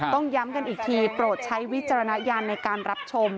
ต้องย้ำกันอีกทีโปรดใช้วิจารณญาณในการรับชม